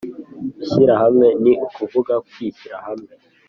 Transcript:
Ishyirahamwe ni ukuvuga kwishyira hamwe